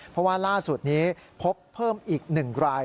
เพราะว่าล่าสุดนี้พบเพิ่มอีก๑ราย